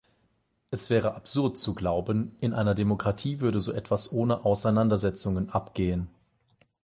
Es wäre absurd zu glauben, in einer Demokratie würde so etwas ohne Auseinandersetzungen abgehen.